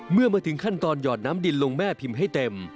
เมื่อมาถึงขั้นตอนหยอดน้ำดินลงแม่พิมพ์ให้เต็ม